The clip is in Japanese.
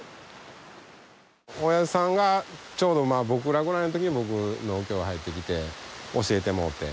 親父さんがちょうど僕らぐらいのときに僕農協に入ってきて教えてもうて。